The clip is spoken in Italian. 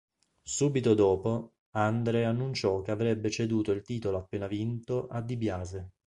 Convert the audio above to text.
Subito dopo, Andre annunciò che avrebbe ceduto il titolo appena vinto a DiBiase.